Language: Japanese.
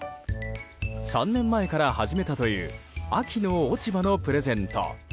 ３年前から始めたという秋の落ち葉のプレゼント。